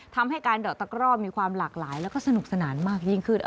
ทำให้การดอกตะกร่อมีความหลากหลายแล้วก็สนุกสนานมากยิ่งขึ้น